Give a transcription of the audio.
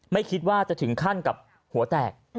ไม่คิดว่าจะถึงขั้นกับหัวแตก